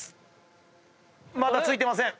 まだ着いてません。